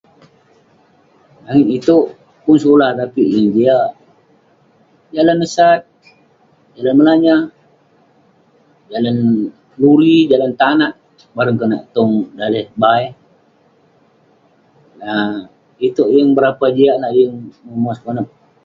Langit itouk, pun sekulah tapik yeng jiak. Jalan neh sat, yah melanyah. Jalan luri, jalan tanak. Bareng konak tong daleh bai. ah Itouk yeng berapa jiak lah, yeng memuas konep.